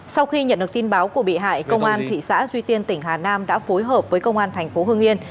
sau khi nhận được tin báo của bị hại công an thị xã duy tiên tỉnh hà nam đã phối hợp với công an thành phố hương yên